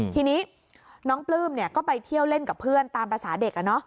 ทีนี้น้องปลื้มก็ไปเที่ยวเล่นกับเพื่อนตามภาษาเด็ก